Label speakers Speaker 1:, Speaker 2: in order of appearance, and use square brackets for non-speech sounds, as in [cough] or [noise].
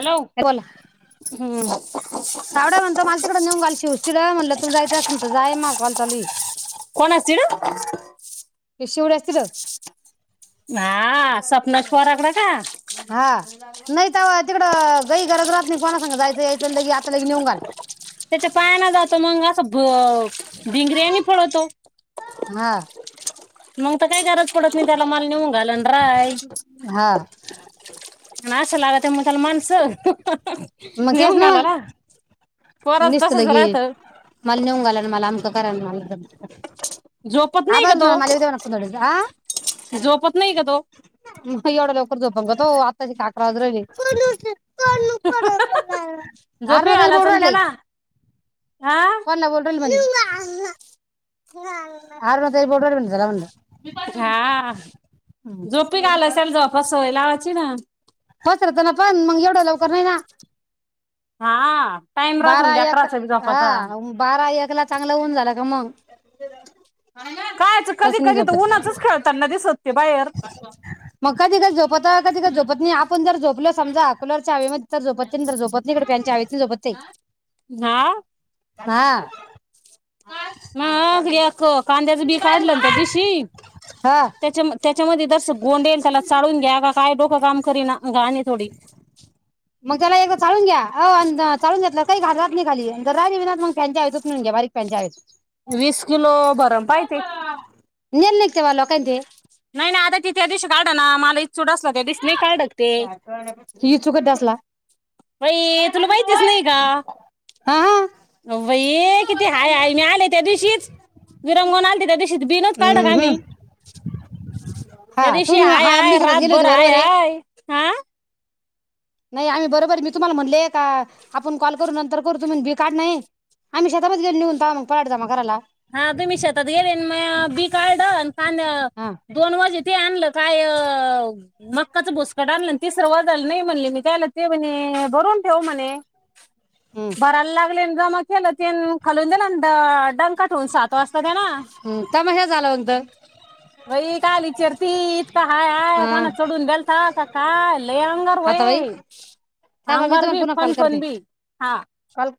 Speaker 1: Hello
Speaker 2: बोला
Speaker 1: हम्म
Speaker 2: सावड्या म्हणतो मला तिकडं नेऊन घाल शिव च्या तिड म्हणलं तुला जायचं असलं जाय मा कॉल चालुय
Speaker 1: कोण असतील
Speaker 2: ती शिवड्या तिड
Speaker 1: हा सपनाश पोराकडं का
Speaker 2: हा नाय तवा तिकडं गई गरज लागत नाही कोणा संग जायचं यायचं लागी लगि नेऊन घाल
Speaker 1: त्याचा पायाने जातो मग भ भिंगऱ्यानी पळतो
Speaker 2: हा
Speaker 1: मग आता काय गरज पडत नाही त्याला मला नेऊन घालन राय
Speaker 2: हा
Speaker 1: आण आस लागत्या मग त्याला माणसं-हाहा नेऊन घाला ना.
Speaker 2: निस्त लगीन मला नेऊन घालन मला मग करा ना मला
Speaker 1: झोपत
Speaker 2: हा
Speaker 1: नाही का
Speaker 2: बास
Speaker 1: तो
Speaker 2: मला लई नको देऊ मला आ
Speaker 1: झोपत नाही का तो
Speaker 2: मग एवढ्या लवकर झोपण का तो आताचे तर अकरा वाजून राहिले अरे राहुदे
Speaker 1: झोपी
Speaker 2: रे मी
Speaker 1: घालायच
Speaker 2: बोलुन
Speaker 1: ना
Speaker 2: राहिले
Speaker 1: त्याला हा
Speaker 2: फोण बोलून. [unintelligible] बोलू राहिले जरा बंद
Speaker 1: हा होय लावाची ना.
Speaker 2: [unintelligible] लवकर नाही ना
Speaker 1: हा टाइम राहतो ना
Speaker 2: बारा एक
Speaker 1: लेकराचा बी
Speaker 2: हा
Speaker 1: झोपाचा
Speaker 2: बारा एक ला चांगल ऊन झालं की मग [unintelligible]
Speaker 1: कायच कधी कधी तर उन्हाचच खेळताना दिसत ते बाहेर
Speaker 2: म कधी कधी झोपत कधीकधी झोपत नई आपण जर झोपलोच समजा कुलर च्या हवेमदी झोपेत नाही इकड फॅन च्या हवेत नाही झोपत ये.
Speaker 1: नः
Speaker 2: हा
Speaker 1: महागड्या क कांद्याची बी काढल ना त्या दिशी
Speaker 2: हा
Speaker 1: त्याच्याम - त्याच्यामध्ये तर अस गोंडे न त्याला चाळुन घ्या काय तो क काम करीना वान ये आणि थोडी
Speaker 2: मग त्याला एकदा चाळुन घ्या आवो अन् द चाळुन घेतल्यावर काही घाण रात नाही खाली जर राहीली बी ना मग फॅनच्या हवेत मिळून घ्या बारीक फॅन घ्या हवेत
Speaker 1: वीस किलो भरन पाय ते
Speaker 2: [inaudible] तेव्हा लोकांचे
Speaker 1: नाही ना आज ही तिथे त्या दिशी काढण ना मला इचू डासला त्या दिशी नाही काढ का ते
Speaker 2: ही चुकत डसला
Speaker 1: बाई तुला माहीतीच नाई का
Speaker 2: हा हा
Speaker 1: बाई किती हाय हाय ने आले त्या दिशीच विरंगुन आलते त्या दिशीच बीनच काड का
Speaker 2: हम्म हम्म
Speaker 1: आम्ही
Speaker 2: हा
Speaker 1: त्या दिशीच
Speaker 2: तुम्ही
Speaker 1: हाय
Speaker 2: हा मी
Speaker 1: हाय
Speaker 2: शेतात गेले होते
Speaker 1: रातभर हाय
Speaker 2: बरोबर आहे
Speaker 1: हाय आ
Speaker 2: नाही आम्ही बरोबर मी तुम्हाला म्हणले का? आपण कॉल करू नंतर करतो म्हणून बी काढणं ये आम्ही शेतामध्ये निघून तवा मंग [inaudible] जमा करायला
Speaker 1: हा तुम्ही शेतात गेले मया बी काड आन
Speaker 2: हा
Speaker 1: दोन वजे ते आणलं काय मकांच भुस्काट आणल अन तिसरं वझाल नाई म्हणले मी त्यांला ते म्हणे झोडुन ठेव म्हणे
Speaker 2: हम्म
Speaker 1: भराला लागले न जमा केलत तेनं खालून देन अन डान काढ
Speaker 2: हं थांबा हे झाल्या नंतर
Speaker 1: व्हय काआला इचारतीत तिथ हाय हाय
Speaker 2: हा
Speaker 1: कोन चढून देलता काल लई अंगावर
Speaker 2: आता बाई
Speaker 1: व्हये
Speaker 2: थांबा मी
Speaker 1: अंगावर
Speaker 2: तुम्हाला
Speaker 1: बी
Speaker 2: पुन्हा कॉल
Speaker 1: फणफण
Speaker 2: करते
Speaker 1: बी हां
Speaker 2: कॉल